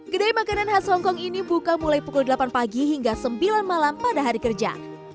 kedai makanan khas hongkong ini buka mulai pukul delapan pagi hingga sembilan malam pada hari kerja